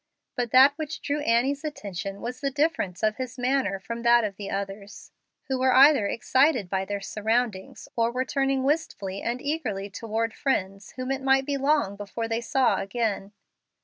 But that which drew Annie's attention was the difference of his manner from that of all others, who were either excited by their surroundings, or were turning wistfully and eagerly toward friends whom it might be long before they saw again.